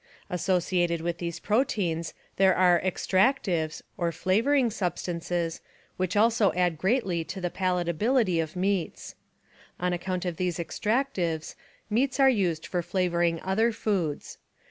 Associated with these proteins there are "extractives," or flavoring substances, which also add greatly to the palatability of meats. On account of these extractives, meats are used for flavoring other foods.